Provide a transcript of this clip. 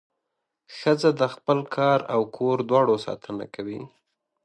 ښځه د خپل کار او کور دواړو ساتنه کوي.